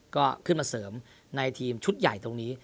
ก็ขึ้นมาเสริมในทีมชุดใหญ่ตรงนี้